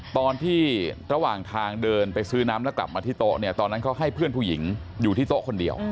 ตอนที่ระหว่างทางเดินไปซื้อน้ำแล้วกลับมาที่โต๊ะเนี่ยตอนนั้นเขาให้เพื่อนผู้หญิงอยู่ที่โต๊ะคนเดียว